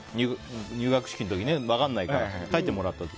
入学式の時、分からないから書いてもらったと。